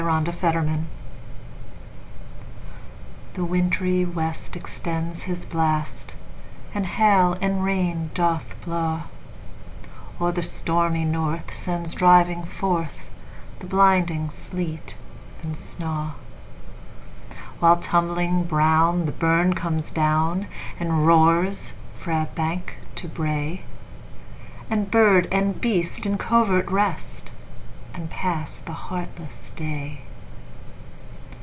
Winter: A Dirge THE WINTRY west extends his blast, And hail and rain does blaw; Or the stormy north sends driving forthThe blinding sleet and snaw:While, tumbling brown, the burn comes down, And roars frae bank to brae; And bird and beast in covert rest, And pass the heartless day.